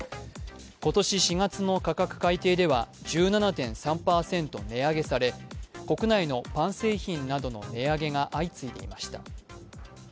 今年４月の価格改定では１７．３％値上げされ国内のパン製品などの値上げが相次いでいました。